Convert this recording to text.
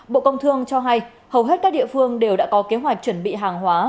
bộ công thương cho hay hầu hết các địa phương đều đã có kế hoạch chuẩn bị hàng hóa